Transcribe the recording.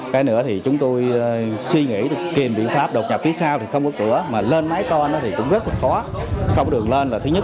cái nữa thì chúng tôi suy nghĩ kèm biện pháp đột nhập phía sau thì không có cửa mà lên mái to thì cũng rất là khó không đường lên là thứ nhất